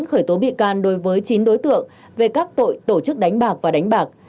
khởi tố bị can đối với chín đối tượng về các tội tổ chức đánh bạc và đánh bạc